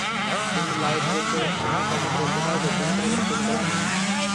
তুমি লাই ডিটেক্টরের সামনে কথাটি বলতে পারবে যে, তুমি তাকে খুন করোনি?